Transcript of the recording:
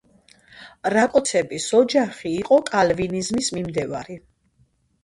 რაკოცების ოჯახი იყო კალვინიზმის მიმდევარი.